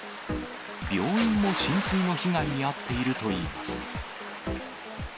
病院も浸水の被害に遭っているといいます。